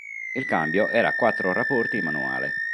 Il cambio era a quattro rapporti manuale.